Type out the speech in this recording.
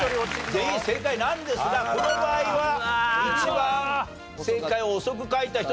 全員正解なんですがこの場合は一番正解を遅く書いた人脱落と。